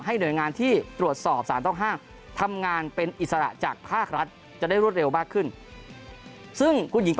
หน่วยงานที่ตรวจสอบสารต้องห้ามทำงานเป็นอิสระจากภาครัฐจะได้รวดเร็วมากขึ้นซึ่งคุณหญิง